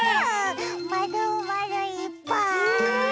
まるまるいっぱい！